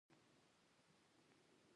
افغانستان کې د پسونو د پرمختګ لپاره هڅې شته.